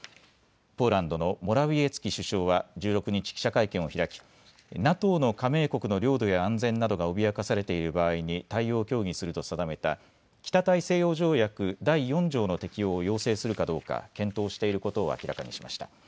ポーランドのモラウィエツキ首相は１６日、記者会見を開きＮＡＴＯの加盟国の領土や安全などが脅かされている場合に対応を協議すると定めた北大西洋条約第４条の適用を要請するかどうか検討していることを明らかにしました。